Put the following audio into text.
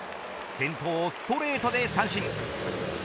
先頭をストレートで三振。